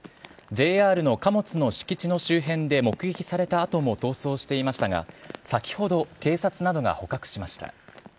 ＪＲの貨物の敷地の周辺で目撃されたあとも逃走していましたが、先ほど警察などが捕獲しました。